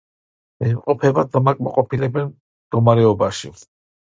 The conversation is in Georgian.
იმყოფება დამაკმაყოფილებელ მდგომარეობაში.